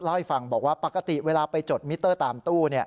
ให้ฟังบอกว่าปกติเวลาไปจดมิเตอร์ตามตู้